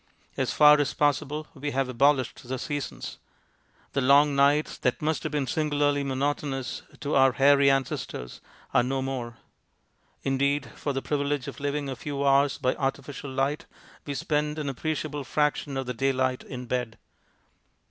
As far as possible we have abolished the seasons. The long nights that must have been singularly monotonous to our hairy ancestors are no more ; indeed, for the privilege of living a few hours by artificial light we spend an appreciable fraction of the daylight in bed.